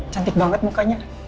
cantik banget mukanya